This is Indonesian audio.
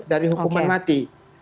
dari hukuman mati